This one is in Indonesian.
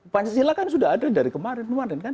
pancasila kan sudah ada dari kemarin kemarin kan